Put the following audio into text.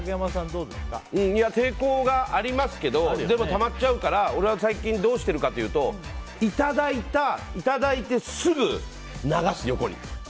抵抗はありますけどでも、たまっちゃうから俺は最近どうしているかというといただいてすぐ流す、横に。